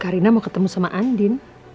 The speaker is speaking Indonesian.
karina mau ketemu sama andin